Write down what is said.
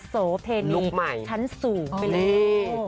โซเภนีชั้นสูง